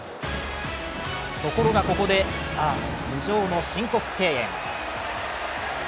ところがここでああ、無情の申告敬遠。